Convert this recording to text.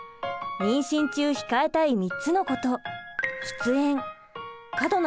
妊娠中控えたい３つのこと。